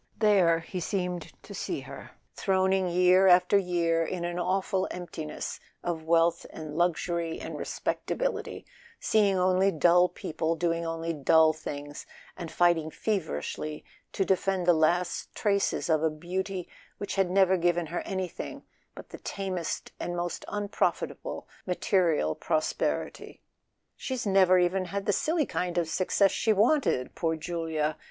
There he seemed to see her, throning year after year in an awful emptiness of wealth and luxury and respectability, seeing only dull people, doing only dull things, and fighting feverishly to defend the last traces of a beauty which had never given her anything but the tamest and most unprofitable material prosperity. "She's never even had the silly kind of success she wanted—poor Julia